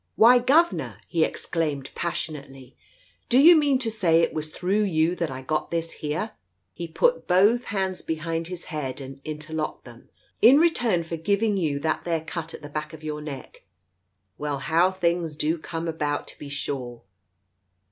... "Why, governor !" he exclaimed passionately, "do you mean to say it was through you that I got this here" — he put both hands behind his head and inter locked them, " in return for giving you that there cut at the back of your neck ? Well, how things do come about, to be sure